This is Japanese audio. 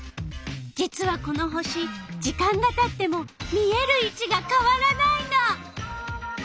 実はこの星時間がたっても見えるいちがかわらないの。